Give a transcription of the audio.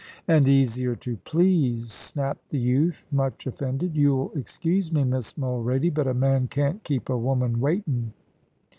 "And easier to please," snapped the youth, much offended. "You'll excuse me, Miss Mulrady, but a man can't keep a woman waitin'."